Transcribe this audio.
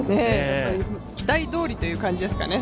期待どおりという感じですかね。